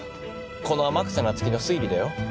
この天草那月の推理だよ？